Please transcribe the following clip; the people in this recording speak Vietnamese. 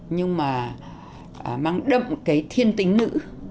nhưng mà mang đậm cái thiên tính nữ